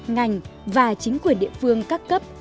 ngành và chính quyền địa phương các cấp